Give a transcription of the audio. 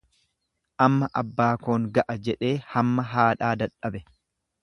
Amma abbaa koon ga'a jedhee hamma haadhaa dadhabe.